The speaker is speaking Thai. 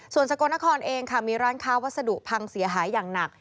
ส่วนสกลนครเองค่ะมีร้านค้าวัสดุพังเสียหายอย่างหนัก